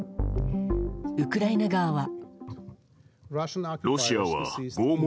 ウクライナ側は。